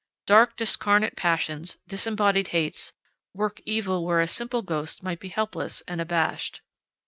Dark discarnate passions, disembodied hates, work evil where a simple ghost might be helpless and abashed.